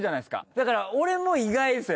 だから俺も意外ですよ